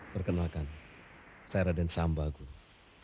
perkenalkan saya raden samba guru